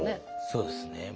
そうですね